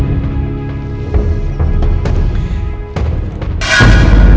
aku akan menang